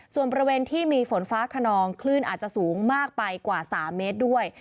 ส่วนบริเวณที่มีฝนฟ้าขนองคลื่นอาจจะสูงมากไปกว่า๓เมตรด้วย